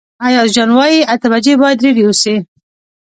ایاز جان وايي اته بجې باید رېډي اوسئ.